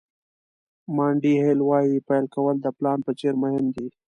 مانډي هیل وایي پیل کول د پلان په څېر مهم دي.